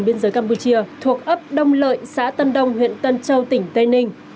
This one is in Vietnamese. biên giới campuchia thuộc ấp đông lợi xã tân đông huyện tân châu tỉnh tây ninh